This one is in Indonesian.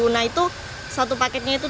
nah itu satu paketnya itu tiga delapan ratus